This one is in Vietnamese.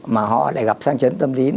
mà họ lại gặp sang chấn tâm lý